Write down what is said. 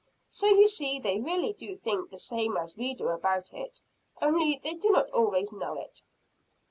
So you see they really do think the same as we do about it; only they do not always know it."